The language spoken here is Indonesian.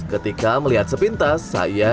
ketika melihat sepintas saya